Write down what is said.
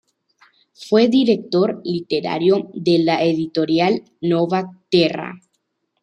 Fue director literario de la editorial Nova Terra.